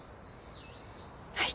はい。